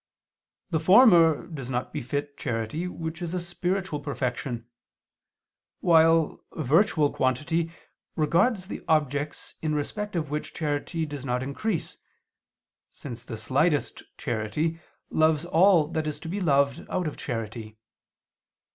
The former does not befit charity which is a spiritual perfection, while virtual quantity regards the objects in respect of which charity does not increase, since the slightest charity loves all that is to be loved out of charity.